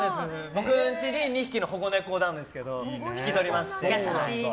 僕の家に２匹の保護猫なんですけど引き取りまして。